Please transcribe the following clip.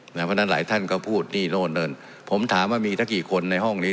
เพราะฉะนั้นหลายท่านก็พูดนี่โน่นนั่นผมถามว่ามีทั้งกี่คนในห้องนี้